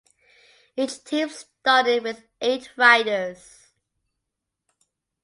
Each team started with eight riders.